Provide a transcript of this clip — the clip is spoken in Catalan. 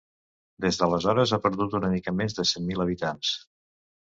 Des d'aleshores, ha perdut una mica més de cent mil habitants.